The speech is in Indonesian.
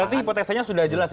berarti hipotesanya sudah jelas ya